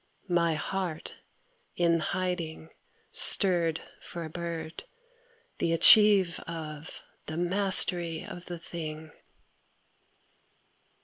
My heart in hiding Stirred for a bird, the achieve of, the mastery of the thing!